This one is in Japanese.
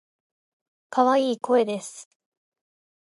可愛い声です。